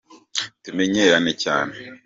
Tumenyeranye cyane